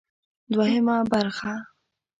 دوهمه برخه: